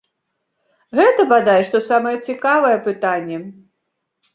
Гэта бадай што самае цікавае пытанне.